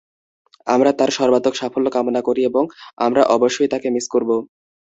আমরা তাঁর সর্বাত্মক সাফল্য কামনা করি এবং আমরা অবশ্যই তাঁকে মিস করব।